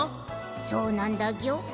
そうなんだギョ。